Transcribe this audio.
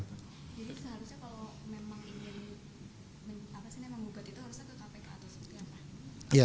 jadi seharusnya kalau memang ingin menggugat itu harusnya ke kpk atau seperti apa